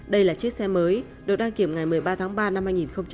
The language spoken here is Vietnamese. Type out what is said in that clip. đây là chiếc xe mới được đăng kiểm ngày một mươi ba tháng ba năm hai nghìn hai mươi